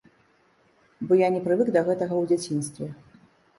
Бо я не прывык да гэтага ў дзяцінстве.